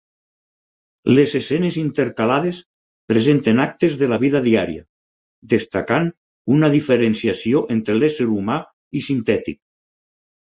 Les escenes intercalades presenten actes de la vida diària, destacant una diferenciació entre l'ésser humà i sintètic.